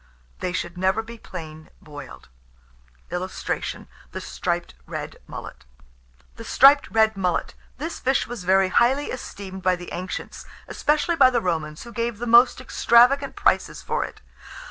They should never be plain boiled. [Illustration: THE STRIPED RED MULLET.] THE STRIPED RED MULLET. This fish was very highly esteemed by the ancients, especially by the Romans, who gave the most extravagant prices for it.